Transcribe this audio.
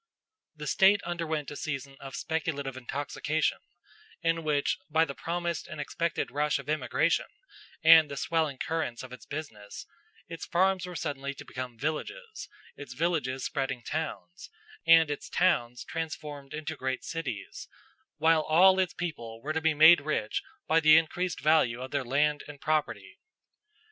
The State underwent a season of speculative intoxication, in which, by the promised and expected rush of immigration and the swelling currents of its business, its farms were suddenly to become villages, its villages spreading towns, and its towns transformed into great cities, while all its people were to be made rich by the increased value of their land and property.